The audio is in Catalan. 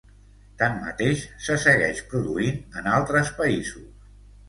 Tanmateix se segueix produint en altres països.